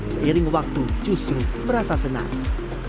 seiring waktu justru merasa senang